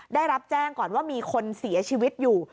ได้รับแจ้งก่อนว่ามีคนเสียชีวิตอยู่